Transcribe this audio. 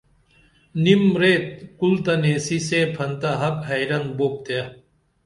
نِم ریت کُلتہ نیسی سے پھنتہ ہک حیرن بُپ تے